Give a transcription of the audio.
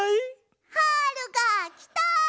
はるがきた！